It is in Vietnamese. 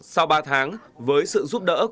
sau ba tháng với sự giúp đỡ